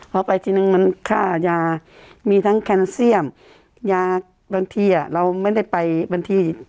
พอไปทีนึงมันค่ายามีทั้งแคนเซียมยาบางทีเราไม่ได้ไปบางที